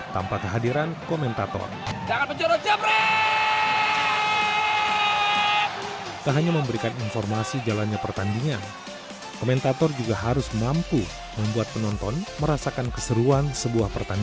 tidak terkecuali dalam event olahraga elektronik atau e sports